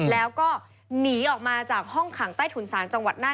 แล้วก็หนีออกมาจากห้องขังใต้ถุนศาลจังหวัดน่าน